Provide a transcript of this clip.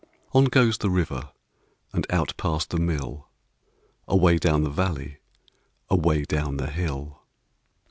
On goes the river And out past the mill, Away down the valley, Away down the hill.